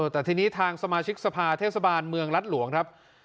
แต่ทีนี้ทางสมาชิกสภาเทศบาลเมืองรัฐหลวงครับ